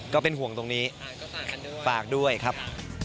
ก็เป็นห่วงตรงนี้ฝากด้วยครับ